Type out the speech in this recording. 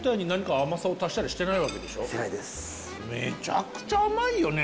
もちろんめちゃくちゃ甘いよね